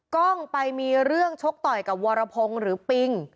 กล้องไปมีเรื่องชกต่อยกับวรพงศ์หรือปิง